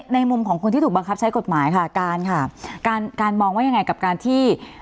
ในมุมของคนที่ถูกบังคับใช้กฎหมายค่ะการค่ะการการมองว่ายังไงกับการที่